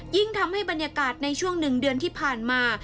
ยิ่งทำให้บรรยากาศในช่วงหนึ่งเดือนที่ผ่านมา